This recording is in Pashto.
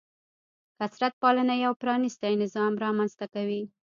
کثرت پالنه یو پرانیستی نظام رامنځته کوي.